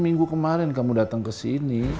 minggu kemarin kamu datang kesini